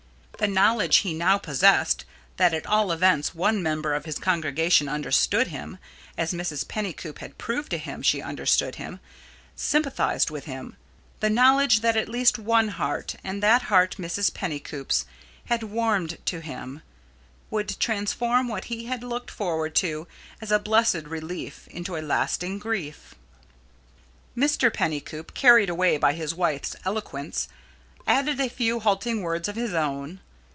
The knowledge he now possessed, that at all events one member of his congregation understood him, as Mrs. Pennycoop had proved to him she understood him, sympathized with him the knowledge that at least one heart, and that heart Mrs. Pennycoop's, had warmed to him, would transform what he had looked forward to as a blessed relief into a lasting grief. Mr. Pennycoop, carried away by his wife's eloquence, added a few halting words of his own.